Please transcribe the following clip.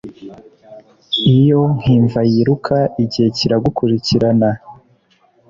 iyo, nkimva yiruka, igihe kiragukurikirana,